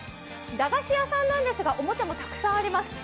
駄菓子屋さんなんですが、おもちゃもたくさんあります。